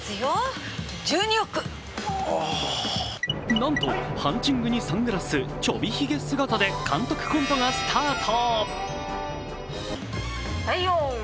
なんと、ハンチングにサングラス、ちょびひげ姿で監督コントがスタート。